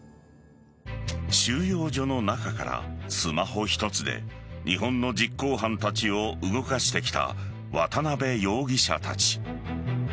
収容所の中からスマホ一つで日本の実行犯たちを動かしてきた渡辺容疑者たち。